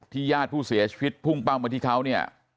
ญาติผู้เสียชีวิตพุ่งเป้ามาที่เขาเนี่ย